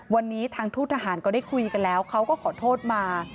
วันนี้ทางทูตทหารก็ได้คุยกันแล้วเขาก็ขอโทษมา